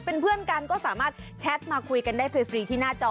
เป็นเพื่อนกันก็สามารถแชทมาคุยกันได้ฟรีที่หน้าจอ